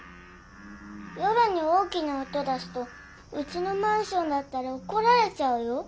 夜に大きな音出すとうちのマンションだったらおこられちゃうよ。